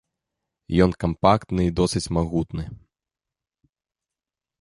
Ён кампактны і досыць магутны.